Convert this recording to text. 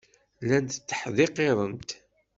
Llant tteḥdiqirent.